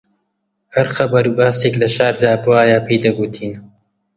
هەر خەبەر و باسێک لە شاردا بوایە پێی دەگوتین